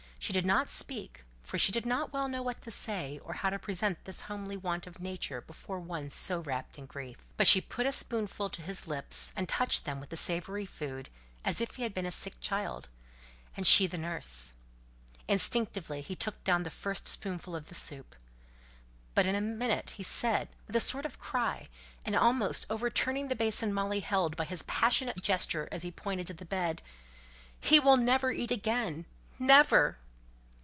She did not speak, for she did not well know what to say, or how to present this homely want of nature before one so rapt in grief. But she put a spoonful to his lips, and touched them with the savoury food, as if he had been a sick child, and she the nurse; and instinctively he took down the first spoonful of the soup. But in a minute he said, with a sort of cry, and almost overturning the basin Molly held, by his passionate gesture as he pointed to the bed, "He will never eat again never."